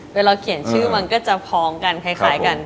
เวลาเขียนชื่อมันก็จะพ้องกันคล้ายกัน